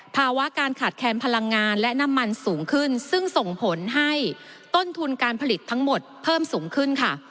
ภาวะการขาดแคลนพลังงานและน้ำมันสูงขึ้นซึ่งส่งผลให้ต้นทุนการผลิตทั้งหมดเพิ่มสูงขึ้นค่ะ